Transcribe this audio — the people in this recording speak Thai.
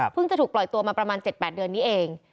จะถูกปล่อยตัวมาประมาณ๗๘เดือนนี้เอง